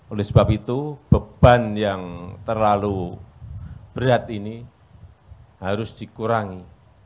oleh sebab itu beban yang terlalu berat ini harus dikurangi